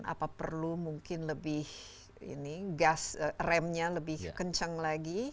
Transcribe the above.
apa perlu mungkin lebih ini gas remnya lebih kencang lagi